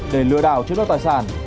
để lừa đảo trước đất tài sản